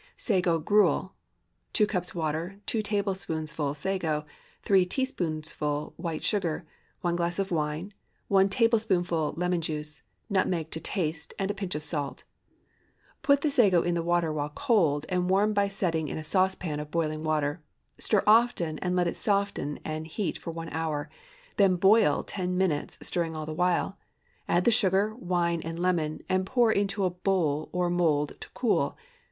SAGO GRUEL. ✠ 2 cups water. 2 tablespoonfuls sago. 3 teaspoonfuls white sugar. 1 glass of wine. 1 tablespoonful lemon juice. Nutmeg to taste, and a pinch of salt. Put the sago in the water while cold, and warm by setting in a saucepan of boiling water. Stir often, and let it soften and heat for one hour. Then boil ten minutes, stirring all the while; add the sugar, wine, and lemon, and pour into a bowl or mould to cool.